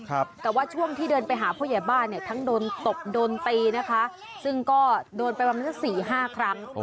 แต่ว่าช่วงที่เดินไปหาผู้ใหญ่บ้านเนี่ยทั้งโดนตบโดนตีนะคะซึ่งก็โดนไปประมาณสักสี่ห้าครั้ง